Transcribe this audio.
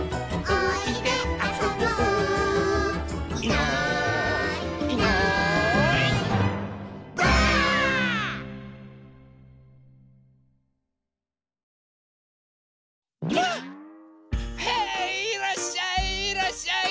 へいいらっしゃいいらっしゃい！